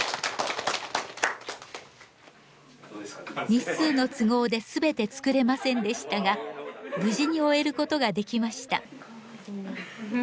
日数の都合で全て作れませんでしたが無事に終えることができました。